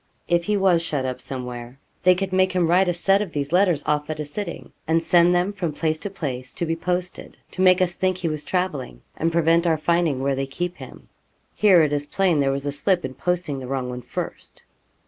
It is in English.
If he was shut up somewhere they could make him write a set of these letters off at a sitting, and send them from place to place to be posted, to make us think he was travelling, and prevent our finding where they keep him. Here it is plain there was a slip in posting the wrong one first.'